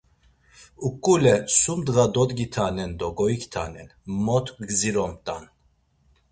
Uǩule sum ndğa dodgitanen do goiktanen, mot gdziromt̆an.